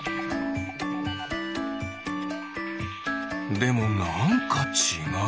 でもなんかちがう。